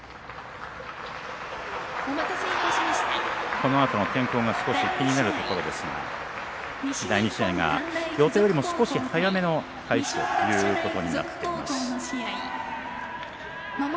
このあとの天候が少し気になるところですが第２試合が予定よりも少し早めの開始となっています。